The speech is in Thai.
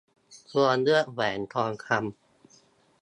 ควรเลือกแหวนทองคำ